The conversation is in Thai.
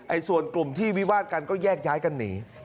ส่วนกลุ่มที่วิวาดกันก็แยกย้ายกันหนี